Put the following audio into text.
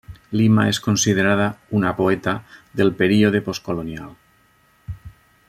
Lima és considerada una poeta del període postcolonial.